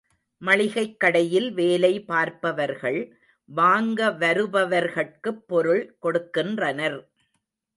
மளிகைக் கடையில் வேலை பார்ப்பவர்கள், வாங்க வருபவர்கட்குப் பொருள் கொடுக்கின்றனர்.